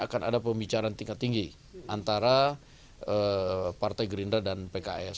akan ada pembicaraan tingkat tinggi antara partai gerindra dan pks